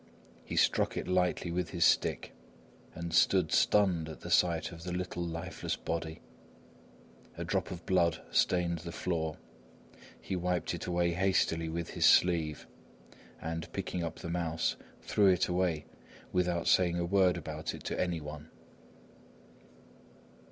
He struck it lightly with his stick and stood stunned at the sight of the little, lifeless body. A drop of blood stained the floor. He wiped it away hastily with his sleeve, and picking up the mouse, threw it away, without saying a word about it to anyone.